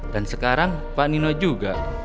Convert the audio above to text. dan sekarang pak nino juga